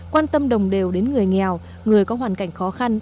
quan tâm đồng đều đến người nghèo người có hoàn cảnh khó khăn